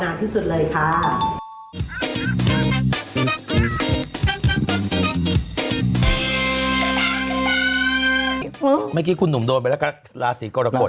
เมื่อกี้คุณหนุ่มโดนไปแล้วกันราศีกรกฎ